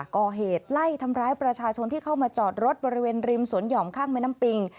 ก่อเหตุไล่ทำร้ายประชาชนที่เข้ามาจอดรถบริเวณริมสวนหย่อมข้างแม่น้ำปิง